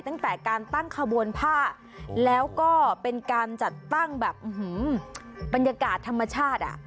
ตั้งแต่การตั้งขบวนผ้าแล้วก็เป็นการจัดตั้งแบบบรรยากาศธรรมชาติ